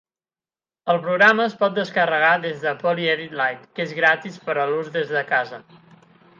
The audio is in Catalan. El programa es pot descarregar des de PolyEdit Lite, que és gratis per a l'ús des de casa.